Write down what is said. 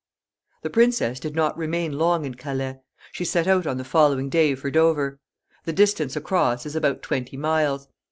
The princess did not remain long in Calais. She set out on the following day for Dover. The distance across is about twenty miles.